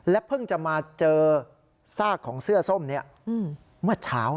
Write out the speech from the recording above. เพิ่งจะมาเจอซากของเสื้อส้มนี้เมื่อเช้า